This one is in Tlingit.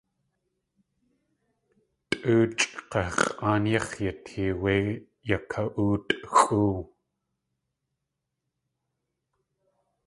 Tʼoochʼ k̲a x̲ʼaan yáx̲ yatee wé yaka.óotʼ xʼóow.